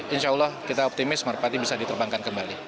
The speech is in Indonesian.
insya allah kita optimis merpati bisa diterbangkan kembali